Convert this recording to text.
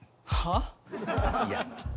はあ？いや。